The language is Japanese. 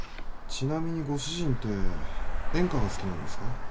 ちなみにご主人って演歌が好きなんですか？